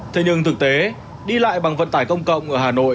thì thường thường là